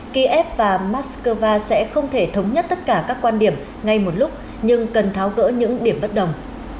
kiev và moscow sẽ không thể thống nhất tất cả các quan điểm ngay một lúc nhưng cần tháo gỡ những điểm bất đồng